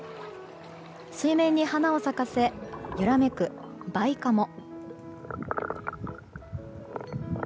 水面に花を咲かせ揺らめくバイカモ。